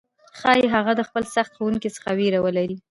ښايي هغه د خپل سخت ښوونکي څخه ویره ولري،